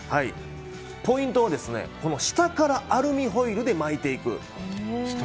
ポイントは下からアルミホイルで巻いていく。